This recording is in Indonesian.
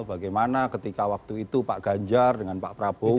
bagaimana ketika waktu itu pak ganjar dengan pak prabowo